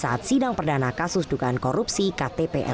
setia vanto menerima pemberian dari kppi